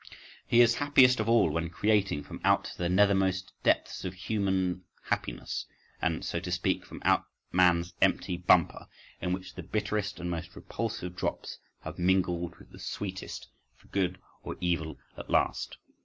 He is happiest of all when creating from out the nethermost depths of human happiness, and, so to speak, from out man's empty bumper, in which the bitterest and most repulsive drops have mingled with the sweetest for good or evil at last.